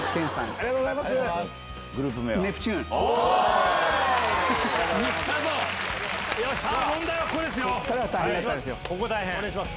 ありがとうございます。